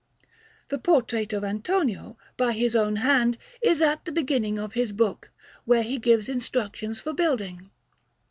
The portrait of Antonio, by his own hand, is at the beginning of his book, where he gives instructions for building.